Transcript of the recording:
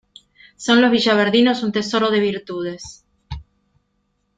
Son los villaverdinos un tesoro de virtudes.